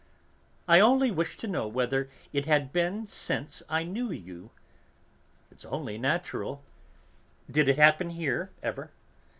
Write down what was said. "I only wished to know whether it had been since I knew you. It's only natural. Did it happen here, ever?